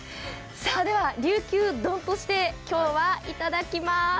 では、りゅうきゅう丼として今日はいただきます。